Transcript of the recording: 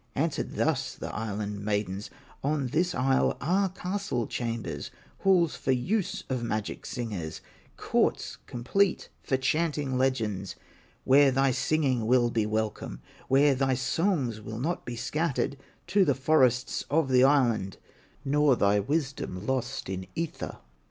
Answered thus the Island maidens: "On this isle are castle chambers, Halls for use of magic singers, Courts complete for chanting legends, Where thy singing will be welcome, Where thy songs will not be scattered To the forests of the island, Nor thy wisdom lost in ether."